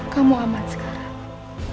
kamu aman sekarang